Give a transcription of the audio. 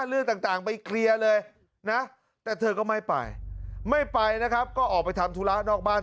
เรื่องต่างไปเคลียร์เลยนะแต่เธอก็ไม่ไปไม่ไปนะครับก็ออกไปทำธุระนอกบ้าน